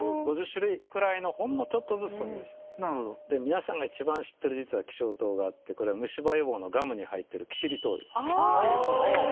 で皆さんが一番知ってる希少糖があって虫歯予防のガムに入ってるキシリトール。